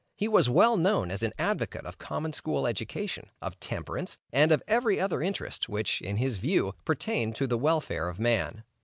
He was well known as an advocate of common school education, of temperance, and of every other interest, which, in his view, pertained to the welfare of man.